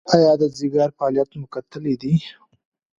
ایا د ځیګر فعالیت مو کتلی دی؟